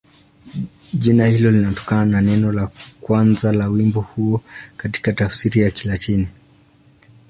Jina hilo linatokana na neno la kwanza la wimbo huo katika tafsiri ya Kilatini.